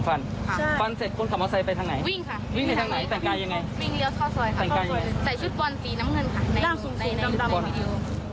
นางสูงดำในวีดีโอ